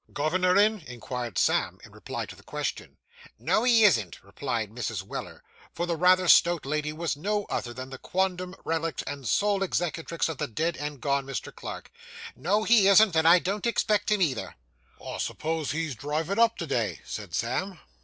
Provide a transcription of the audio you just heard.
'Governor in?' inquired Sam, in reply to the question. 'No, he isn't,' replied Mrs. Weller; for the rather stout lady was no other than the quondam relict and sole executrix of the dead and gone Mr. Clarke; 'no, he isn't, and I don't expect him, either.' 'I suppose he's drivin' up to day?' said Sam.